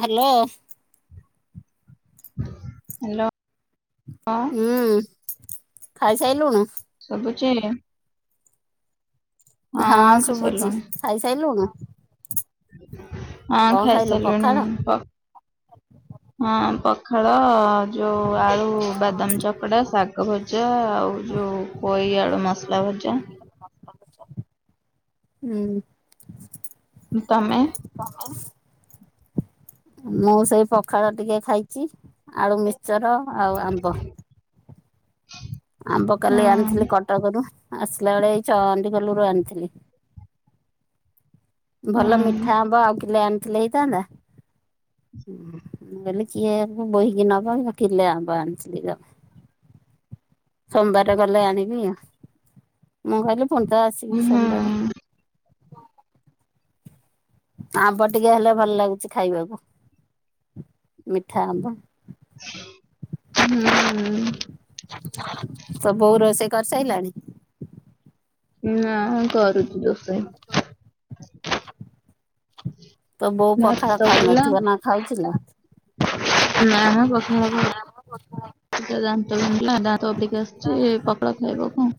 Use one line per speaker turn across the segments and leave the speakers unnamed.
Hello.
Hello.
ହୁଁ। ଖାଇସାଇଲୁଣୁ।
କିଏ?
ହଁ ଶୁବୁଚି
ଖାଇସାରିଲୁଣି
ଖାଇସାଇଲୁଣୁ।
ହଁ
କଣ ଖାଇଲୁ
ଖାଇସାଇଲିଣି
ପଖାଳ
ମୁଁ ପ ହଁ ପଖାଳ। ଯୋଉ ଆଳୁ ବାଦାମ ଚକଡା ଶାଗ ଭଜା ଆଉ ଯୋଉ ପୋଇ ଆଳୁ ମସଲା ଭ ଜା।
ହୁଁ।
ତମେ?
ତମେ? ମୁଁ ସେଇ ପଖାଳ ଟିକେ ଖାଇଚି। ଆଳୁ ମିକ୍ସଚର ଆଉ ଆମ୍ବ। ଆମ୍ବ କାଲି ଆଣିଥିଲି।
ହୁଁ
କଟକରୁୁ ଆସିଲା ବେଳେ ଏଇ ଚ ମେଡିକାଲ ରୁ ଆଣିଥିଲି।
ହୁଁ
ଭଲ ମିଠା ଆମ୍ୱ ଆଉ କିଲେ ଆଣି ଥିଲେ ହେଇଥାନ୍ତା। ହୁଁ। ମୁଁ କହିଲି କିଏ ବୋହିକି ନବ କିଲେ ଆମ୍ବ ଆଣିଥିଲି ଜମା। ସୋମବାର ଗଲେ ଆଣିବି। ମୁଁ କହିଲି ପୁଣିତ ଆସିବି
ହୁଁ
ସୋମବାରେ। ଆମ୍ବ ଟିକେ ହେଲେ ଭଲ ଲାଗୁଛି ଖାଇବାକୁ ମିଠା ଆମ୍ବ।
ହୁଁଉଉ
ତୋ ବୋଉ ରୋଷେଇ କରିସାଇଲାଣି।
ନା କରୁଚି ରୋଷେଇ।
ତୋ ବୋଉ ପଖାଳ
ଭାତ
ଖାଉ
ଗଲା
ନଥିବ ନା ଖାଉଛି ଲୋ।
ନା କଥା ହବ। ଦାନ୍ତ ବିନ୍ଧିଲା ଦାନ୍ତ ଓପାଡ଼ିକି ଆସିଚି ପଖାଳ ଖାଇବ କଣ?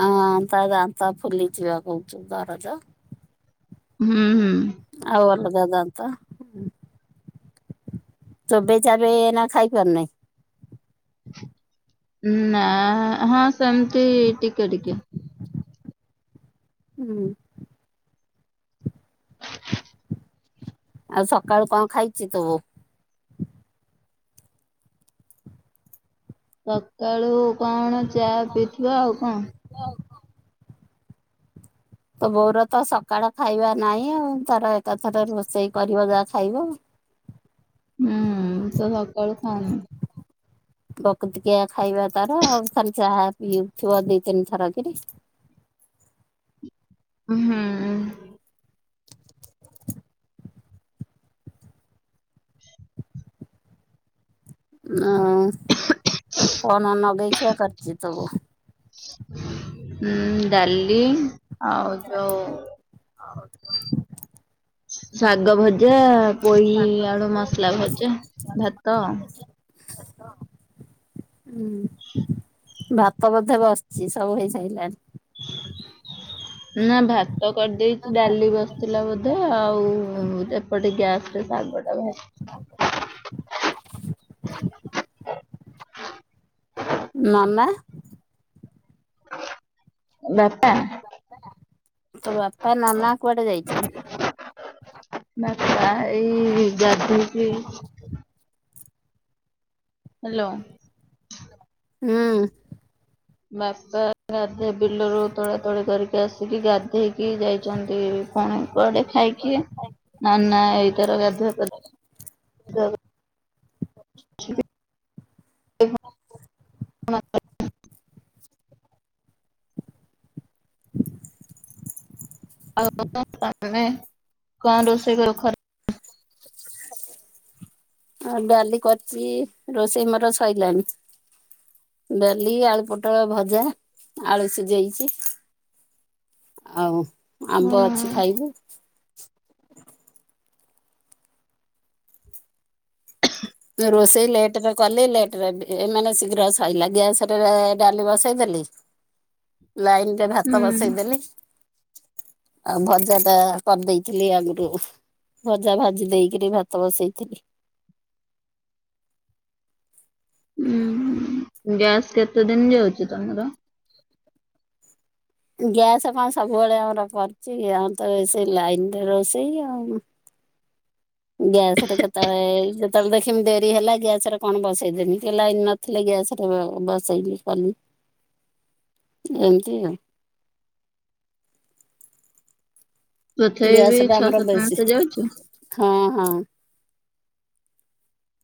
ହଁ ତା ଦାନ୍ତ ଫୁଲିଚି ପା କହୁଛୁ ଦରଜ।
ହୁଁ ହୁଁ।
ତ ଚୋବେଇ ଚାବେଇ ଏଇନା ଖାଇପାରୁ ନାଇଁ।
ନା ହଁ ସେମିତି ଟିକେ ଟିକେ।
ହୁଁ। ଆଉ ସକାଳୁ କଣ ଖାଇଚି ତୋ ବୋଉ।
ସକାଳୁ କଣ ଚା ପିଇଥିବ ଆଉ କଣ?
ତ ବୋଉରତ ସକାଳ ଖାଇବା ନାହିଁ ଆଉ। ତାର ଏକାଥରେ ରୋଷେଇ କରିବ ଯାହା ଖାଇବ।
ହୁଁ ତ ସକାଳ ଖାଏନି?
ବକତକିଆ ଖାଇବା ତାର ଆଉ ଖାଲି ଚାହା ପିଉଥିବ। ଦି ତିନି ଥରକିରି।
ହୁଁ।
ଆଉ କଣ ନଗେଇ ଖୀଆ କରଛି ତୋ ବୋଉ।
ଉଁ ଡାଲି ଆଉ ଯୋଉ
ଆଉ କଣ?
ଶାଗ ଭଜା ପୋଇ ଆଳୁ ମସଲା ଭଜା ଭାତ।
ଭାତ। ହୁଁ ଭାତ ବୋଧେ ବସିଚି ସବୁ ହେଇ ସାଇଲାଣି।
[inaudible] ନା ଭାତ କରିଦେଇଛି ଡାଲି ବସିଥିଲା ବୋଧେ? ଆଉ ଏପଟେ ଗ୍ୟାସ୍ ଶାଗ ଟା ଭାଜୁଚି।
ନା
ବାପା
ବାପା ନନା କଆଟେ ଜାଇଚ
ବାପା ଏଇ ଗା ହ୍ୟାଲୋ।
ହୁଁ।
ବାପା ଗାଧେ ବିଲରୁ ତୋଳେ ତୋଳି କରିକି ଆସିକି ଗାଧେଇକି ଯାଇଚନ୍ତି ପୁଣି କୁଆଡେ। ଖାଇକି ନା ନା ଏଇ ତାର ଗାଧୁଆ ପା
[inaudible]
[unintelligible] [unintelligible]
[inaudible] ଆଉ ଡାଲି କରିଛି ରୋଷେଇ ମୋର ସୋଇଲାଣି। ଡେଲି ଆଳୁ ପୋଟଳ ଭଜା ଆଳୁ ସିଜେଇଚି। ଆଉ
ହୁଁ
ଆମ୍ବ ଅଛି ଖାଇବୁ? ରୋଷେଇ ଲେଟ୍ ରେ କଲି ଲେଟ୍ ରେ ମାନେ ଶୀଘ୍ର ସରଲା ଗ୍ୟାସ୍ ରେ ଡାଲି ବସେଇ ଦେଲି ଲାଇନ୍ ଟା ଭାତ ବସେଇଦେଲି। ଆଉ ଭଜା ଟା କରିଦେଇଥିଲି ଆଗୁରୁ। ଭଜା ଭାଜି ଦେଇକିରି ଭାତ ବସେଇଥିଲି।
ହୁଁ ଗ୍ୟାସ୍ କେତେ ଦିନ୍ ଯାଉଛି ତମର?
ଗ୍ୟାସ କଁ ସବୁବେଳେ ଆମର କରିଚିକି ଆମର ତ ସେ ଲାଇନିରେ ରୋଷେଇ ଆଉ। ଗ୍ୟାସଟା କେତଳେ ଯେତେବେଳେ ଦେଖମି ଡେରି ହେଲା ଗ୍ୟାସ ରେ କଣ ବସେଇଦେମି କି ଲାଇନ ନଥିଲେ ଗ୍ୟାସରେ ବସେଇଲିି କଲ ଏମ୍ ତି ଆଉ।
ତଥାପି ବି
ଦ୍ୟାସଟା
ଛଅ
ଆମର
ସାତ ମାସ
ବେଶୀ
ଯାଉଛି
ହଁ। ହଁ।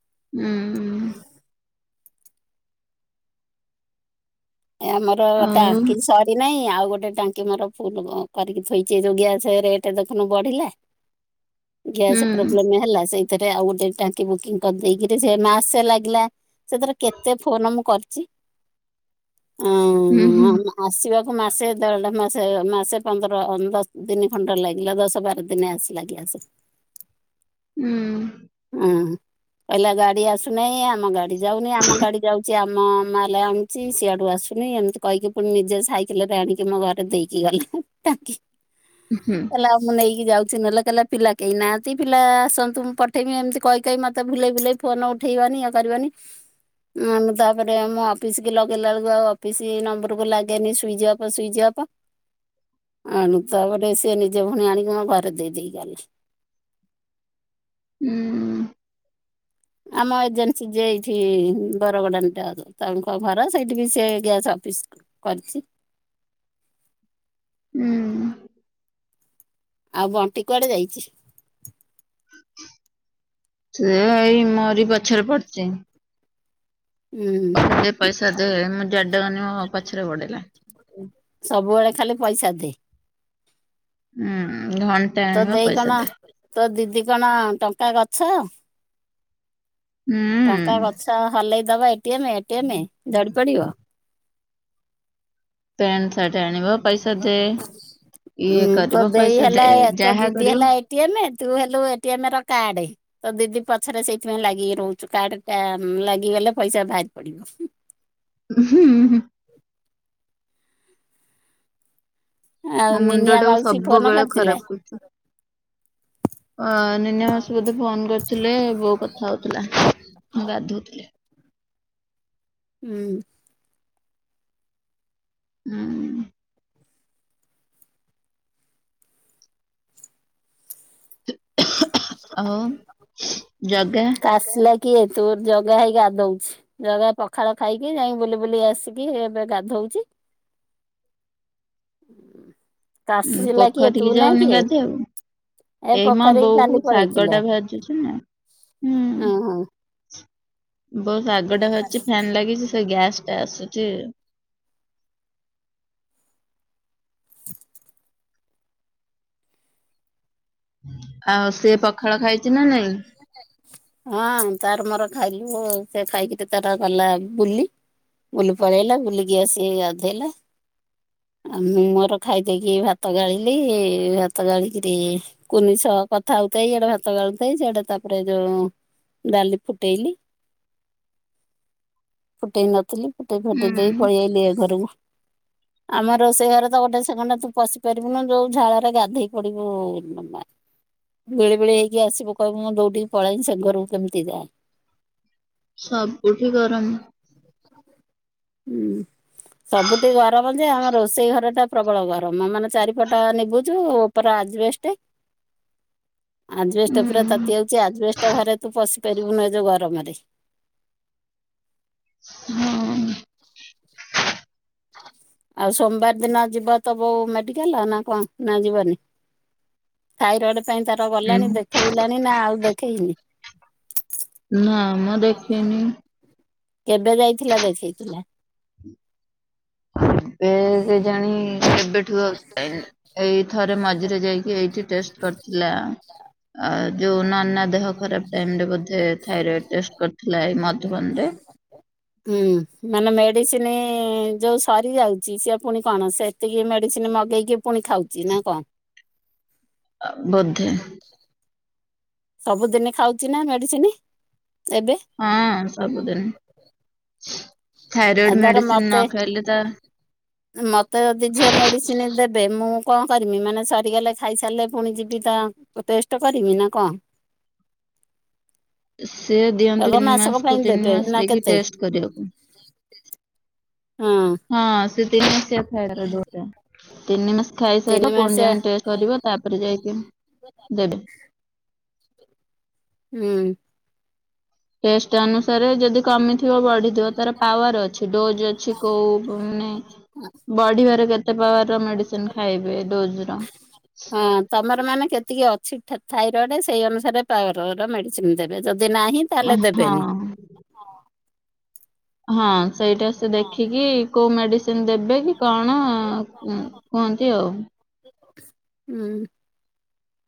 ହୁଁ।
ଆମର
ଆଉ
ଟାଙ୍କି ସରି ନାଇଁ ଆଉ ଗୋଟେ ଟାଙ୍କି ମାର ଫୁଲ୍ କରିକି ଥୋଇଚି ଏଇ ଯୋଉ ଗ୍ୟାସ ରେଟେ ଦେଖୁନୁ ବଢିଲା
ହୁଁ
ଗ୍ୟାସ୍ ପ୍ରୋବଲେମ୍ ହେଲା ସେଇ ଥେରେ ଆଉ ଗୋଟେ ଟାଙ୍କି ବୁକିଂ କରିଦେଇକିରି ସେ ମାସେ ଲାଗିଲା ସେଥରେ କେତେ ଫୋନ ମୁଁ କରିଚି।
ହୁଁ ହୁଁ
ଆଁ ଆସିବାକୁ ମାସେ ଦେଢ଼ ମା ସେ ମାସେ ପନ୍ଦର ଦଶ ଦିନି ଖଣ୍ଡେ ଲାଗିଲା ଦଶ ବାର ଦିନ ଆସିଲା ଗ୍ୟାସେ।
ହୁଁ
ଉଁ କହିଲା ଗାଡି ଆସୁନାଇଁ ଆମ ଗାଡି ଯାଉନି ଆମ ଗାଡି ଯାଉଚି ଆମ ମାଲ୍ ହେଲା ଆଣିୁଚି ସିଆଡୁ ଆସୁ ନେଇଁ ଏମିତି କହିକି ପୁଣି ନିଜେ ସାଇକେଲ ରେ ଆଣିକି ମୋ ଘରେ ଦେଇକି ଗଲେ ଟାକି
ହୁଁ
ତାଲା ମୁଁ ନେଇ କି ଯାଉଛି ନେଲା କଲା ପିଲା କେହି ନାହାନ୍ତି ପିଲା ଆସନ୍ତୁ ମୁଁ ପଠେଇମି ଏମତି କହି କହି ମତେ ଭୁଲେଇ ଭୁଲେଇ ଫୋନ ଉ ଠେଇବାନି ଇଏ କରିବାନି ଉଁ ତା ପରେ ମୋ ଅଫିସ୍ ଲଗେଇଲା ବେଳୁକୁ ଆଉ ଅଫିସି ନମ୍ବରକୁ ଲାଗେନି ସୁଇଚି ଅପ ସୁଇଚି ଅପ ଆଣୁ ତା ପରେ ସେ ନିିଜେ ଫୁଣ ଆଣିକି ମୋ ଘରେ ଦେଇ ଦେଇ ଯାଉଚି। [inaudible]
ହୁଁ।
ଆମ ଏଜେନ୍ସି ଯେ ଏଇଠି ବରଗଡ଼ା ତାଙ୍କ ଘର ସେଇଠି ବି ସେ ଗ୍ୟାସ୍ ଅଫିସ୍ କରିଚି।
ହୁଁ
ଆଉ ବଣ୍ଟି କୁଆଡେ ଯାଇଚି।
ସେ ଏଇ ମୋରି ପଛରେ ପଡ଼ିଚି।
ହୁଁ
ଦେ ପଇସା ଦେ ମୁଁ ଜ୍ୱାଡ଼େ ଗନି ମୋ ପଛରେ ଗୋଡ଼େଇଲା।
ସବୁବେଳେ ଖାଲି ପଇସା ଦେ।
ହୁଁ। ଘଣ୍ଟା
ତୋ
ଆଣିବ
ଦେଇ
ପଇସା
କଣ
ଦେ
ତୋ ଦିଦି କଣ ଟଙ୍କା ଗଛ ଟଙ୍କା
ହୁଁ।
ଗଛ ହଲେଇ ଦବ A A T M A T M ଝଡ଼ିପଡିିବ?
ପ୍ୟାଣ୍ଟ ସାର୍ଟ ଆଣିବ ପଇସା ଦେ ଇଏ
ଉଁ ତୋ
କରିବ
ଦେଇ
ପଇସା ଦେ
ହେଲା ତୋ
ଯାହା
ଦିଦି
କରିବ
ହେଲା ଏ ଟି ଏମ୍ ତୁ ହେଲୁ ଏ ଟି ଏମ୍ ର କାର୍ଡେ ତ ଦିଦି ପଛରେ ସେଇଥିପାଇଁ ଲାଗିକି ରହୁଚୁ କାର୍ଡ ଟା ଲାଗିଗଲେ ପଇସା ବାହାରି ପଡିବ।
ହୁଁ ହୁଁ।
ଆଉ
ମୋ ମୁଣ୍ଡ
ନିନିଆ
ଟାକୁ
ମାଉସୀ ଫୋନ
ସବୁବେଳେ
କରିଥିଲା
ଖରାପ କରୁଚୁ। ଅ ନିନି ମାଉସୀ ବୋଧେ ଫୋନ କରିଥିଲେ ବୋଉ କଥା ହଉଥିଲା। ମୁଁ ଗାଧୋଉ ଥିଲି।
ହୁଁ।
ହୁଁ। ଆଉ ଜଗା?
କାଶିଲା କିଏ ତୋ ଜଗା ଭାଇ ଗାଧଉଚି। ଜଗା ପଖାଳ ଖାଇକି ଯାଇ ବୁଲି ବୁଲି ଆସିକି ଏବେ ଗାଧଉ ଉଚି। କାଶୀ ହେଲା କିଏ ତୁ
ପୋଖରୀକି
ନା
ଯାଉନି
କିଏ?
ଗାଧେଇବାକୁ।
ଏ
ଏଇ ମୋ
ପୋଖରୀକୁ
ବୋଉ କୁ
କାଲି
ଶାଗ ଟା
ପଳେଇଥିଲେ।
ଭାଜୁଛି ନା
ଓ ହୋ।
ବୋଉ ଶାଗ ଟା ଭାଜୁଚି ଫ୍ୟାନ୍ ଲାଗିଚି ସେ ଗ୍ୟାସ ଟା ଆସୁଚି।
[inaudible]
ଆଉ ସିଏ ପଖାଳ ଖାଇଚି ନା ନାଇଁ?
ହଁ ତାର ମୋର ଖାଇଲୁ ସେ ଖାଇକି ତ ତାର ଗଲା ବୁଲି। ବୁଲି ପଳେଇଲା ବୁଲିକି ଆସୀକି ଗାଧୋଇଲା। ଆ ମୁଁ ମୋର ଖାଇଦେଇକି ଭାତ ଗାଳିଲି ଭାତ ଗାଳିକିରି କୁନିଷ କଥା ହଉଥାଏ ଏଇଆଡ଼େ ଭାତ ଗାଳୁଥାଏ। ସାଡେ଼ ତାକ ରଇଜଉ ଡାଲି ଫୁଟେଇଲି। ଫୁଟେଇ ନଥିଲି ଫୁଟେଇ ଫୁଟେଇ
ହୁଁ।
ଦେଇ ପଳେଇଆଇଲି ଏ ଘରକୁ। ଆମ ରୋଷେଇ ଘରେ ତ ଗୋଟେ ସେକଣ୍ଡେ ତୁ ପଶି ପାରିବୁନୁ ଯୋଉ ଝାଳରେ ଗାଧେଇ ପଡିବୁ ନା। ବିଳି ବିଳି ହେଇକି ଆସିବୁ କହିବୁ ମୁଁ ଦୋଉଡିକି ପଳାଇ ସେ ଘରକୁ କେମିତି ଯାଏଁ।
ସବୁଠି ଗରମ।
ହୁଁ। ସବୁଠି ଗରମ ଯେ ଆମର ରୋଷେଇ ଘର ଟା ପ୍ରବଳ ଗରମ। ମାନେ ଚାରିପଟ ନିବୁଜ ଓ ଉପର ଆଜ୍ ଜବେଷ୍ଟ ଆଜିବେଷ୍ଟ ପୁରା
ହୁଁ
ତାତିଯାଉ ଆଜିବେଷ୍ଟ ଘରେ ତୁ ପଶି ପାରିବୁନୁ ଏ ଯୋଉ ଗରମରେ।
ହଁ।
[inaudible] ଆଉ ସୋମବାର ଦିନ ଯିବ ତୋ ବୋଉ ମେଡିକାଲ୍ ନା କଣ ନା ଯିବନି? ଥାଇରଏଡ଼ ପାଇଁ ତାର ଗଲାଣି ଦେଖେଇଲାଣି ନା ଆଉ ଦେଖେଇନି?
ନାମ ଦେଖେଇନି।
କେବେ ଯାଇଥିଲା ଦେଖେଇଥିଲା?
[inaudible] ଏବେ କେଜାଣି କେବେଠୁ [unintelligible] ଏଇ ଥରେ ମଝିରେ ଯାଇକି ଏଇଠି ଟେଷ୍ଟ କରିଥିଲା ଆ ଯୋଉ ନନା ଦେହ ଟାଇମ୍ ରେ ବୋଧେ ଥାଇରଏଡ ଟେଷ୍ଟ କରିଥିଲା ଏଇ ମଧୁଵନରେ
ହୁଁ ମାନେ ମେଡିସିନ ଯୋଉ ସରିଯାଉଚି ସିଏ ପୁଣି କଣ ସେତିକି ମେଡିସିନ ମଗେଇକି ପୁଣି ଖାଉଚି ନା କଣ?
ବୋଧେ
ସବୁଦିନ ଖାଉଚି ନା ମେଡିସିନ? ଏବେ
ହଁ ସବୁଦିନି
ଆ ଧର ମତେ ମତେ ଯଦି ଝିଅ ମେଡିସିନ ଦେବେ ଏବେ ମୁଁ କଣ କରମି ମାନେ ସରିଗଲେ ଖାଇସାରିଲେ, ପୁଣି ଯିବି ତ ଟେଷ୍ଟ କରମି ନା କଣ?
ସେ
ହେବ
ଦିଅନ୍ତୁ ତିନି
ମାସକ
ମାସକୁ
ପାଇଁ
ତିନି
ଦେବେ
ମାସ
ନା
ଯକି
କେତେ
ଟେଷ୍ଟ କରିବାକୁ
ହଁ
ହଁ ସେ ତିନି ମସିଆ ଥାଇରଏଡ ଡୋଜ ଟା ତିନିମାସ ଖାଇସାରିଲା
ତିନି ମାସ
ପୁଣି ଯାଇକି ଟେଷ୍ଟ କରିବ ତାପରେ ଯାଇକି ଦେବେ
ହୁଁ।
ଟେଷ୍ଟ ଅନୁସାରେ ଯଦି କମିଥିବ ବଢିଥିବ ତାର ପାୱାର ଅଛି, ଡୋଜ ଅଛି କୋଉଁ ବ ମାନେ ବଢିବାରେ କେତେ ପାୱାର ମେଡିସିନ ଖାଇବେ ଡୋଜ ର
ହଁ ତମର ମାନେ କେତିକି ଅଛି, ଥାଇରଏଡ ସେଇ ଅନୁସାରେ ପାୱ ର ମେଡିସିନ ଦେବେ ଯଦି ଯଦି ନାହିଁ ତାହେଲେ ଦେବେନି,
ହଁ
ହଁ।
ହଁ। ସେଇଟା ସେ ଦେଖିକି କୋଉ ମେଡିସିନ ଦେବେ କି କଣ କୁହନ୍ତି ଆଉ।
ହୁଁ।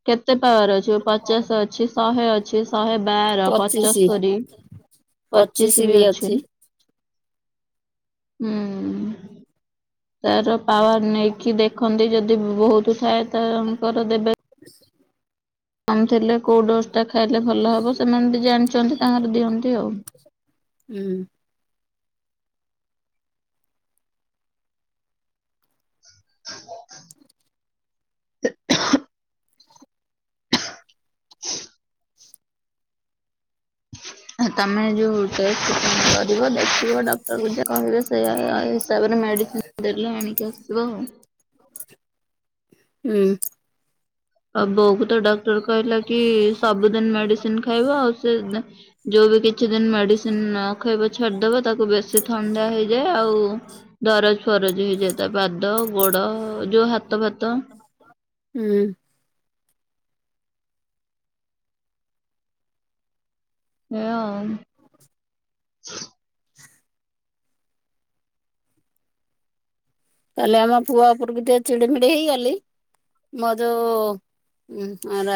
କେତେ ପାୱାର ଅଛି, ପଚାଶ ଅଛି, ଶହେ ଅଛି, ଶହେ ବାର
ପଚିଶି
ପଞ୍ଚସ୍ତରୀ ପଚିଶ ବି ଅଛି ହୁଁ ତାର ପାୱାର ନେଇକି ଦେଖନ୍ତି ଯଦି ଯ ବହୁତ ଥାଏ ତାଙ୍କର ଦେବେ କମ ଥିଲେ କୋଉ ଡୋଜ କୋଉଟା ଖାଇଲେ ଭଲ ହବ, ସେମାନେ ବି ଜାଣିଛନ୍ତି ତାଙ୍କର ଦିଅନ୍ତି ଆଉ।
ହୁଁ।
[inaudible] [inaudible] ଆ ତମେ ଯେଉ ଟେଷ୍ଟ କରିବ, ଦେଖିବ ଡକ୍ଟରକୁ ଯା କହିବେ, ସେଇ ହିସାବରେ ମେଡ଼ି ସିନ୍ ଦେଲେ ଆଣିକି ଆସିବ ଆଉ।
ହୁଁ।
ଅବହୁ ତ ଡକ୍ଟର କହିଲା କି ସବୁଦିନ ମେଡିସିନ ଖାଇବ, ଆଉ ସେ ଯୋଉ ବି କିଛି କିଛି ଦିନ ମେଡିସିନ ଖାଇବ ଛାଡିଦବା, ତାକୁ ବେଶୀ ଥଣ୍ଡା ହେଇଯାଏ ଆଉ ଦରଜ ଫ ରଜ ହେଇଯାଏ ତା ପାଦ ଗୋଡ ଯୋଉ ହାତ ଫାତ।
ହୁଁ।
ହଁ।
କାଲି ଆମ ପୁଅ ଉପରକୁ ଟିକେ ଚିଡିମିଡି ହେଇଗଲି। ମଧୁ ଆ